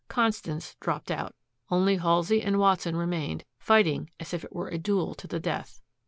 Constance dropped out. Only Halsey and Watson remained, fighting as if it were a duel to the death.